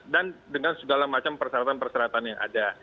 dan dengan segala macam persyaratan persyaratan yang ada